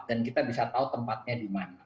dan kita bisa tahu tempatnya di mana